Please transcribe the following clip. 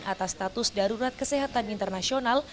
atas status darurat kesehatan internasional